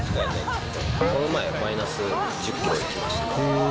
この前マイナス１０キロいきましたね。